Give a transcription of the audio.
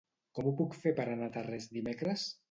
Com ho puc fer per anar a Tarrés dimecres?